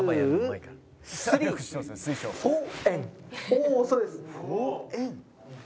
おおそうです。